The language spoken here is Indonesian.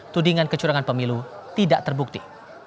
tudingan kecurangan pemilu tidak terbukti